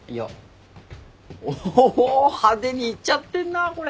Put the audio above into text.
おお派手にいっちゃってんなこれ。